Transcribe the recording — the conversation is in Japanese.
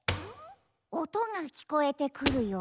おとがきこえてくるよ。